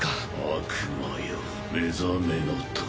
悪魔よ目覚めの時。